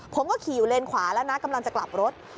ผมก็ขี่อยู่เลนขวาแล้วนะกำลังจะกลับรถ